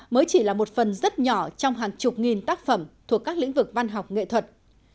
mới chỉ là một phần rất nhỏ trong hàng chục nghìn tác phẩm thuộc các lĩnh vực văn học nghệ thuật